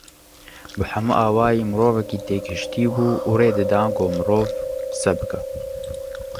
Bi hemû awayî mirovekî têgihiştî bû û rê dida ku mirov qise bike